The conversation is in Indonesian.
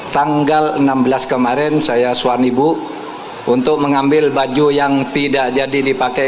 tanggal enam belas kemarin saya suami ibu untuk mengambil baju yang tidak jadi dipakai